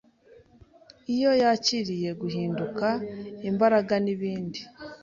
Iyo yakiriye guhinduka, imbaraga n’ibindi,